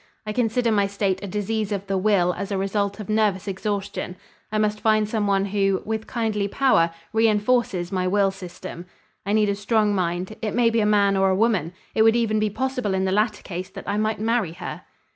I consider my state a disease of the will as a result of nervous exhaustion. I must find some one who, with kindly power, reënforces my will system. I need a strong mind it may be a man or a woman. It would even be possible in the latter case that I might marry her.